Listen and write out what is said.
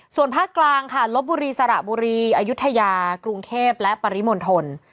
ส่วนภาคกลางค่ะลบบุรีสระบุรีอายุทยากรุงเทพและปริมณฑล